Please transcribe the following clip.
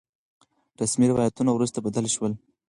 رسمي روايتونه وروسته بدل شول.